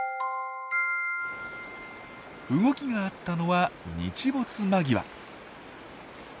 動きがあったのは日没間際。